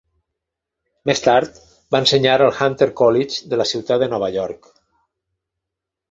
Més tard va ensenyar al Hunter College de la ciutat de Nova York.